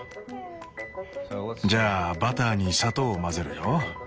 じゃあバターに砂糖を混ぜるよ。